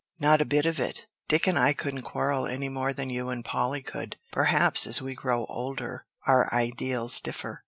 "Not a bit of it. Dick and I couldn't quarrel any more than you and Polly could. Perhaps as we grow older our ideals differ.